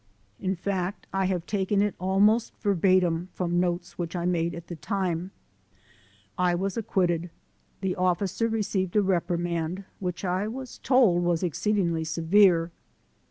In fact, I have taken it almost verbatim from notes which I 268 THE SOUL OF AN IMMIGRANT made at the time. I was acquitted; the officer re ceived a reprimand, which I was told was exceedingly severe.